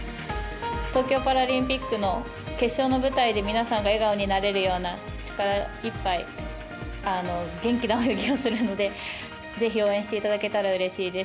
東京パラリンピックの決勝の舞台で皆さんが笑顔になれるような力いっぱい元気な泳ぎをするのでぜひ、応援していただけたらうれしいです。